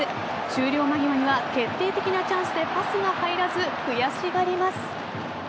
終了間際には決定的なチャンスでパスが入らず悔しがります。